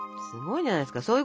すごいじゃないですか。